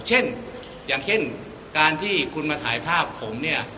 เช่นอย่างเช่นการที่คุณมาถ่ายภาพผมเนี่ย